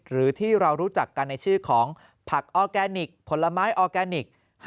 หรือที่เรารู้จักกันในชื่อของผักออร์แกนิคผลไม้ออร์แกนิค